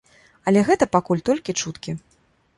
Але гэта пакуль толькі чуткі.